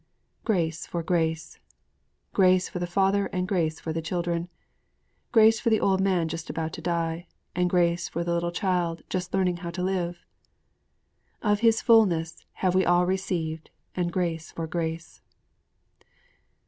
Grace for grace! Grace for the father and grace for the children! Grace for the old man just about to die, and grace for the little child just learning how to live! '_Of His fullness have all we received, and grace for grace!